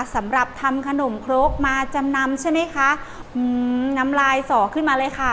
สำหรับทำขนมครกมาจำนำใช่ไหมคะอืมน้ำลายสอขึ้นมาเลยค่ะ